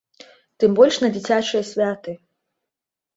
Тым больш на дзіцячыя святы.